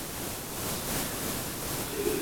斯凯勒县是美国伊利诺伊州西部的一个县。